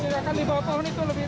di sini di bawah pohon itu lebih